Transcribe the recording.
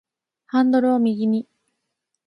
ハンドルを右に